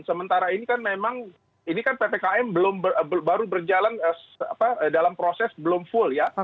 sementara ini kan memang ini kan ppkm baru berjalan dalam proses belum full ya